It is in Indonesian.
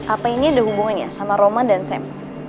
apa ini ada hubungannya sama roman dan sam